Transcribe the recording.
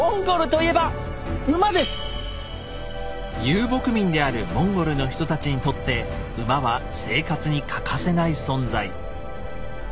遊牧民であるモンゴルの人たちにとって馬は生活に欠かせない存在。